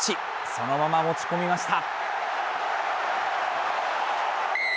そのまま持ち込みました。